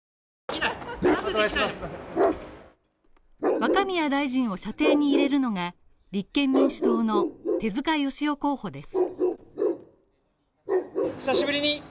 若宮大臣を射程に入れるのは、立憲民主党の手塚仁雄候補です。